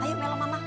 kamu mau ngelom mama